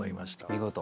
見事。